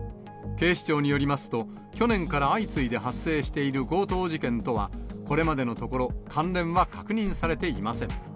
警視庁によりますと、去年から相次いで発生している強盗事件とはこれまでのところ関連は確認されていません。